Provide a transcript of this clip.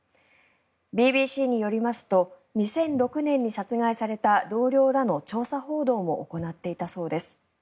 ＢＢＣによりますと２００６年に殺害された同僚らの調査報道も行っていたそうです。